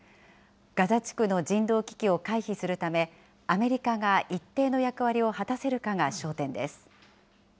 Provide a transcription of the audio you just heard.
ガザ地区の人道危機を回避するため、アメリカが一定の役割を果たせるかが焦点です。